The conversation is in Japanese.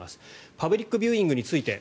パブリックビューイングについて。